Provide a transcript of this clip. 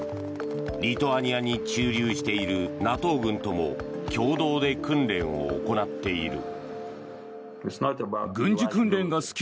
リトアニアに駐留しているＮＡＴＯ軍とも共同で訓練を行っている。